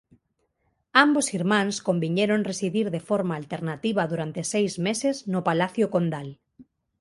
Ambos irmáns conviñeron residir de forma alternativa durante seis meses no palacio condal.